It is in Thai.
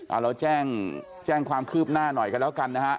เอาเราแจ้งแจ้งความคืบหน้าหน่อยกันแล้วกันนะฮะ